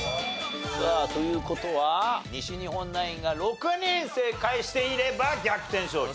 さあという事は西日本ナインが６人正解していれば逆転勝利。